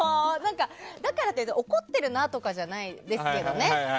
だからといって怒ってるとかじゃないですけどね。